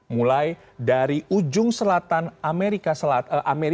mulai dari ujung selatan amerika selatan